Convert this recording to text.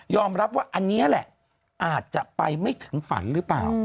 รับว่าอันนี้แหละอาจจะไปไม่ถึงฝันหรือเปล่า